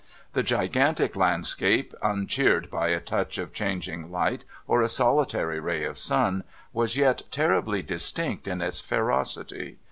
The gigantic landscape, uncheered by a touch of changing light or a solitary ray of sun, was yet terribly distinct in its ferocity.